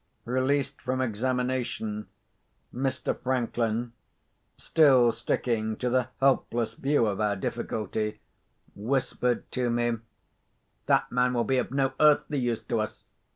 Released from examination, Mr. Franklin, still sticking to the helpless view of our difficulty, whispered to me: "That man will be of no earthly use to us.